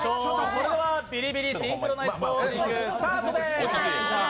それでは「ビリビリシンクロナイスポージング」スタートです。